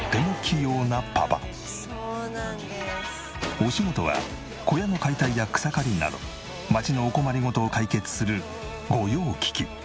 お仕事は小屋の解体や草刈りなど街のお困り事を解決する御用聞き。